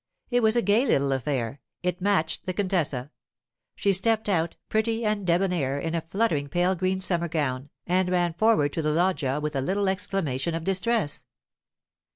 It was a gay little affair; it matched the contessa. She stepped out, pretty and debonair, in a fluttering pale green summer gown, and ran forward to the loggia with a little exclamation of distress.